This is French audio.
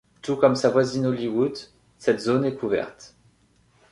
Tout comme sa voisine Hollywood, cette zone est couverte.